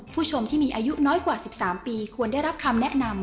ผู้ชมที่มีอายุน้อยกว่า๑๓ปีควรได้รับคำแนะนำ